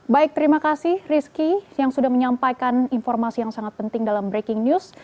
baik terima kasih rizky yang sudah menyampaikan informasi yang sangat penting dalam breaking news